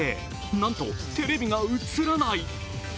なんと、テレビが映らない！